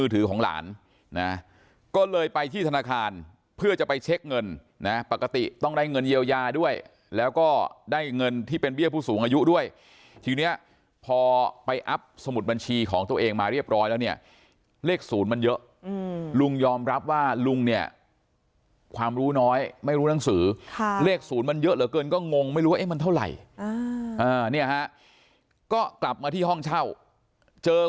ต้องได้เงินเยียวยาด้วยแล้วก็ได้เงินที่เป็นเบี้ยผู้สูงอายุด้วยทีนี้พอไปอัพสมุดบัญชีของตัวเองมาเรียบร้อยแล้วเนี่ยเลขศูนย์มันเยอะอืมลุงยอมรับว่าลุงเนี่ยความรู้น้อยไม่รู้หนังสือค่ะเลขศูนย์มันเยอะเหลือเกินก็งงไม่รู้ว่าเอ๊ะมันเท่าไหร่อ่าเนี่ยฮะก็กลับมาที่ห้องเช่าเจ